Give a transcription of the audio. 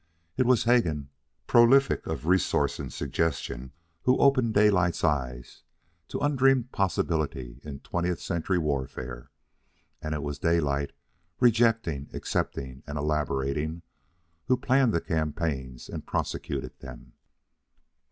It was Hegan, prolific of resource and suggestion, who opened Daylight's eyes to undreamed possibilities in twentieth century warfare; and it was Daylight, rejecting, accepting, and elaborating, who planned the campaigns and prosecuted them.